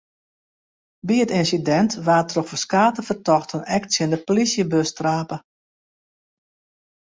By it ynsidint waard troch ferskate fertochten ek tsjin de polysjebus trape.